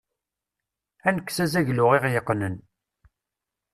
Ad nekkes azaglu i ɣ-yeqqnen.